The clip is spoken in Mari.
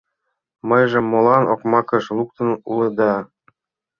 Мыйжым молан окмакыш луктын улыда?»